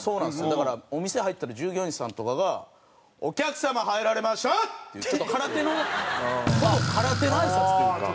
だからお店入ったら従業員さんとかが「お客様入られました！」っていうちょっと空手の空手のあいさつというか。